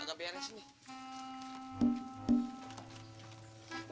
agak beres nih